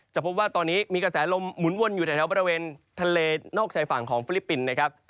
พบว่าตอนนี้มีกระแสลมหมุนวนอยู่แถวบริเวณทะเลนอกชายฝั่งของฟิลิปปินส์นะครับ